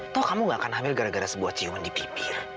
toh kamu gak akan hamil gara gara sebuah ciuman di pipir